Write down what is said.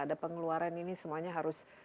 ada pengeluaran ini semuanya harus